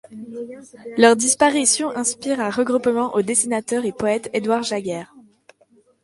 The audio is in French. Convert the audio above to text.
Leur disparition inspire un regroupement au dessinateur et poète Édouard Jaguer.